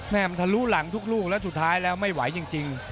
แม่มันทะลุหลังทุกลูกแล้วสุดท้ายแล้วไม่ไหวจริง